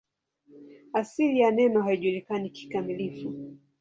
Asili ya neno haijulikani kikamilifu.